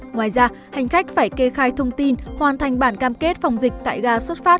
ngoài ra hành khách phải kê khai thông tin hoàn thành bản cam kết phòng dịch tại gà xuất phát